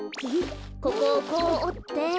ここをこうおって。